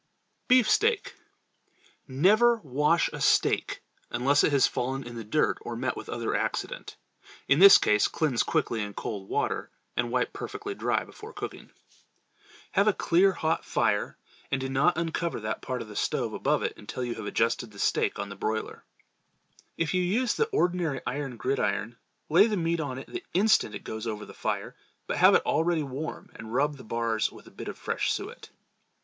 Beefsteak. Never wash a steak unless it has fallen in the dirt or met with other accident. In this case cleanse quickly in cold water and wipe perfectly dry before cooking. Have a clear hot fire and do not uncover that part of the stove above it until you have adjusted the steak on the broiler. If you use the ordinary iron gridiron, lay the meat on it the instant it goes over the fire, but have it already warm and rub the bars with a bit of fresh suet.